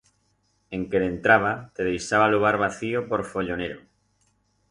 En que dentraba, te deixaba lo bar vacío por follonero.